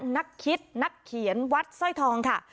นักคิดนักเขียนวัดสร้อยทองค่ะ